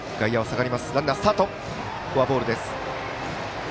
フォアボールです。